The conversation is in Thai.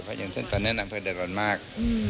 เพราะตอนนี้นักภัยเดือดร้อนมาก